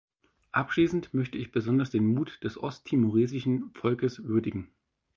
Abschließend möchte ich besonders den Mut des ost-timoresischen Volkes würdigen.